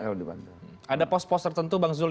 kalau di depan itu ada pos pos tertentu bang zulkifli